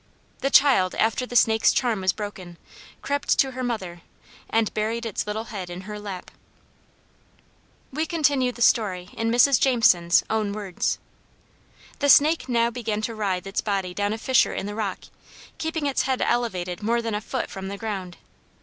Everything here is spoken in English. The child, after the snake's charm was broken, crept to her mother and buried its little head in her lap. We continue the story in Mrs. Jameson's own words: "The snake now began to writhe its body down a fissure in the rock, keeping its head elevated more than a foot from the ground.